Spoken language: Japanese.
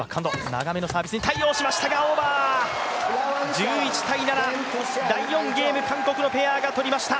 １１−７、第４ゲーム韓国のペアがとりました。